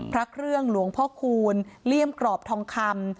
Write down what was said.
พระเครื่องหลวงพ่อคูณเลี่ยมกรอบทองคำ